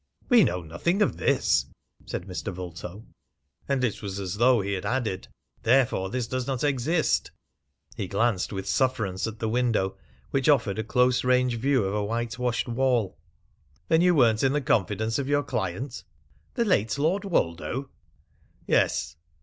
"We know nothing of this," said Mr. Vulto, and it was as though he had added, "Therefore this does not exist." He glanced with sufferance at the window, which offered a close range view of a whitewashed wall. "Then you weren't in the confidence of your client?" "The late Lord Woldo?" "Yes."